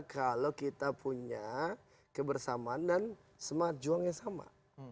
kalau kita punya kebersamaan dan semangat juang yang sama